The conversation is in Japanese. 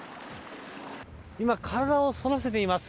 今、体をそらせています。